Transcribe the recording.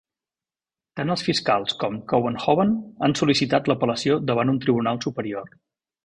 Tant els fiscals com Kouwenhoven han sol·licitat l'apel·lació davant un tribunal superior.